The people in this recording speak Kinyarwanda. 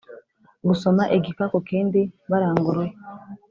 gusoma igika ku kindi baranguruye